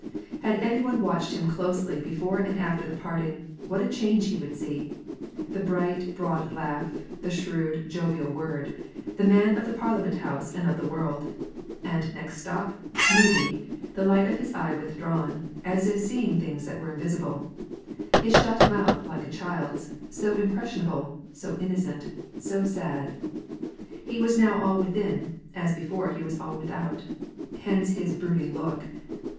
Had any one watched him closely before and after the parting, what a change he would see! The bright, broad laugh, the shrewd, jovial word, the man of the Parliament House and of the world; and next step, moody, the light of his eye withdrawn, as if seeing things that were invisible; his shut mouth like a child's, so impressionable, so innocent, so sad; he was now all within, as before he was all without; hence his brooding look.